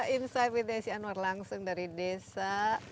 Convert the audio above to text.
insight indonesia anwar langsung dari desa